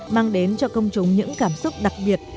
mang đến cho công chúng những cảm xúc đặc biệt